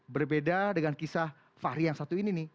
berbeda dengan kisah fahri yang satu ini nih